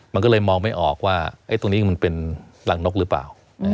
มันก็เลยมองไม่ออกว่าตรงนี้มันเป็นรังนกหรือเปล่า